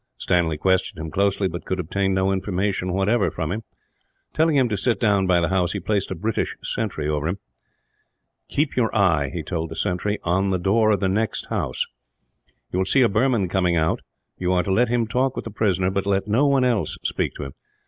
Stanley questioned him closely; but could obtain no information, whatever, from him. Telling him to sit down by the house, he placed a British sentry over him. "Keep your eye," he said, "on the door of the next house. You will see a Burman come out. You are to let him talk with the prisoner, but let no one else speak to him.